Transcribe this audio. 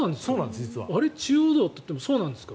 あれ、中央道といってもそうなんですか？